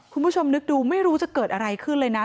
คุณผู้ชมนึกดูไม่รู้จะเกิดอะไรขึ้นเลยนะ